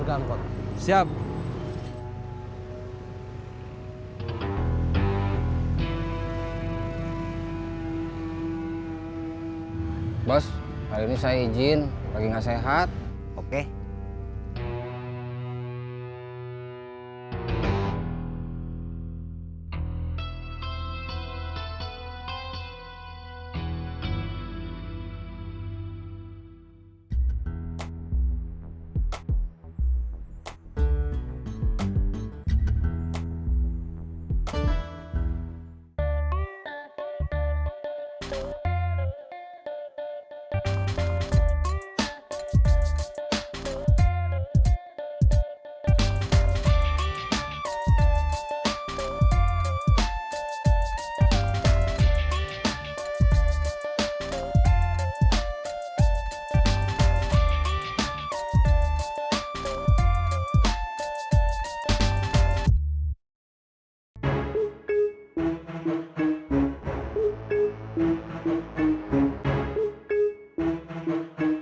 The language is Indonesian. gayanya mah diem aja nggak usah banyak gaya